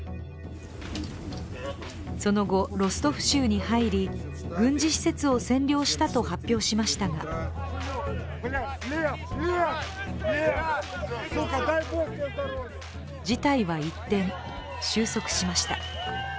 その後、ロストフ州に入り軍事施設を占領したと発表しましたが事態は一転、収束しました。